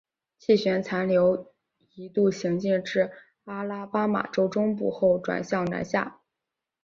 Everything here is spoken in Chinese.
气旋残留一度行进至阿拉巴马州中部后转向南下。